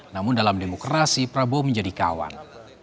namun dalam demokrasi prabowo menjadi kawan